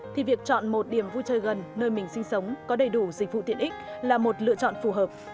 thì việc chọn một điểm vui chơi gần nơi mình sinh sống có đầy đủ dịch vụ tiện ích là một lựa chọn phù hợp